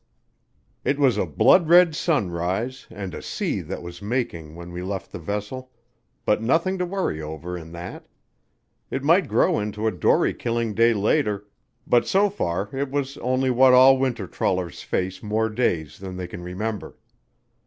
IV It was a blood red sunrise and a sea that was making when we left the vessel, but nothing to worry over in that. It might grow into a dory killing day later, but so far it was only what all winter trawlers face more days than they can remember.